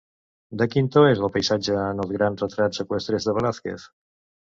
De quin to és el paisatge en els grans retrats eqüestres de Velázquez?